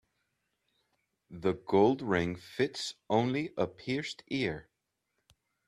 The gold ring fits only a pierced ear.